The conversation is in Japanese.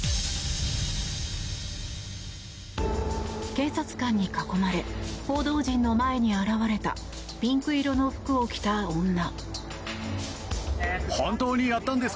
警察官に囲まれ報道陣の前に現れたピンク色の服を着た女。